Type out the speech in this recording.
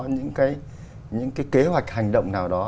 những cái kế hoạch hành động nào đó